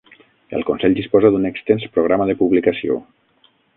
El consell disposa d'un extens programa de publicació.